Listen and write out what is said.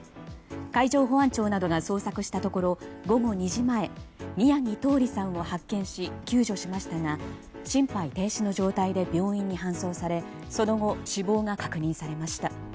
海上保安庁などが捜索したところ午後２時前宮城柊李さんを発見し救助しましたが心肺停止の状態で病院に搬送されその後、死亡が確認されました。